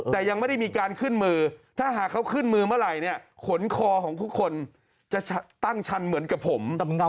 แต่ยังไม่ได้มีการขึ้นมือถ้าหากเขาขึ้นมือเมื่อไหร่เนี่ยขนคอของทุกคนจะตั้งชั้นเหมือนกับผม